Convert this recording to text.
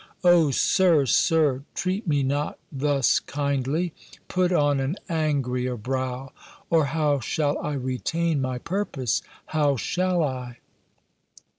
"O Sir, Sir, treat me not thus kindly! Put on an angrier brow, or how shall I retain my purpose? How shall I!"